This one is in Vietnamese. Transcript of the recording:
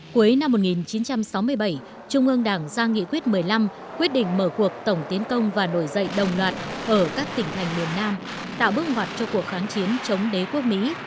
cuối năm một nghìn chín trăm sáu mươi bảy trung ương đảng ra nghị quyết một mươi năm quyết định mở cuộc tổng tiến công và nổi dậy đồng loạt ở các tỉnh thành miền nam tạo bước ngoặt cho cuộc kháng chiến chống đế quốc mỹ